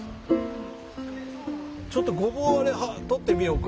ちょっとごぼうをとってみようか。